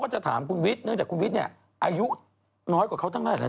อ๋อหลายปีคุณวิทย์น่ะจะอายุเท่าผมนะ